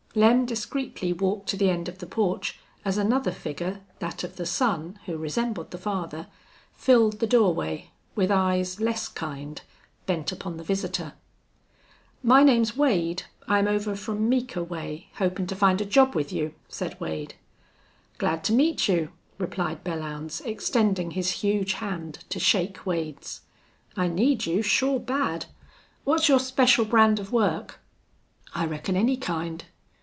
Lem discreetly walked to the end of the porch as another figure, that of the son who resembled the father, filled the doorway, with eyes less kind, bent upon the visitor. "My name's Wade. I'm over from Meeker way, hopin' to find a job with you," said Wade. "Glad to meet you," replied Belllounds, extending his huge hand to shake Wade's. "I need you, sure bad. What's your special brand of work?" "I reckon any kind."